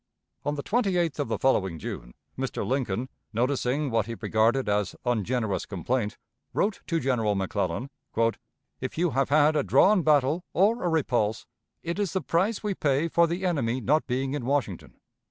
On the 28th of the following June, Mr. Lincoln, noticing what he regarded as ungenerous complaint, wrote to General McClellan: "If you have had a drawn battle or a repulse, it is the price we pay for the enemy not being in Washington.